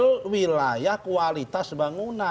level wilayah kualitas bangunan